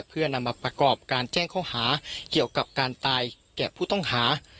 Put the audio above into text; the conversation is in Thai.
เพื่อนำมาประกอบการแจ้งข้อหาเกี่ยวกับการตายแก่ผู้ต้องหา